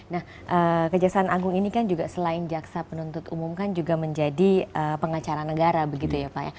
nah kejaksaan agung ini kan juga selain jaksa penuntut umum kan juga menjadi pengacara negara begitu ya pak ya